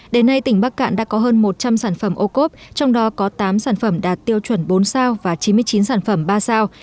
đến nay tỉnh bắc cạn đã có hơn một trăm linh sản phẩm ô cốp trong đó có tám sản phẩm đạt tiêu chuẩn bốn sao và chín mươi chín sản phẩm ba sao